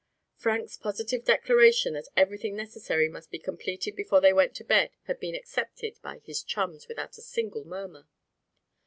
Frank's positive declaration that everything necessary must be completed before they went to bed had been accepted by his chums without a single murmur.